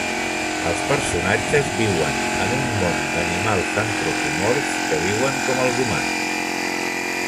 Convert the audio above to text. Els personatges viuen en un món d'animals antropomorfs que viuen com els humans.